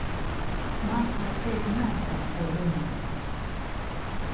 Man ar tevi nav par ko runāt.